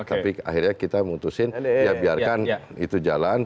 tapi akhirnya kita mutusin ya biarkan itu jalan